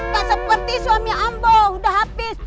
gak seperti suami ambo udah habis